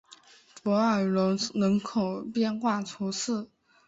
弗尔农人口变化图示